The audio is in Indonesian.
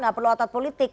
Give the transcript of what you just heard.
gak perlu otot politik